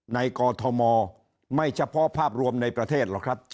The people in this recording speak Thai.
กอทมไม่เฉพาะภาพรวมในประเทศหรอกครับ